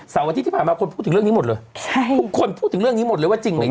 เสาร์วันที่ที่ผ่านมาคนพูดถึงเรื่องนี้หมดเลยคนพูดถึงเรื่องนี้หมดเลยว่าจริงไหม